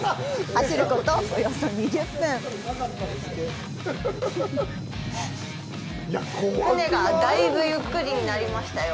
走ること、およそ２０分船が、だいぶゆっくりになりましたよ。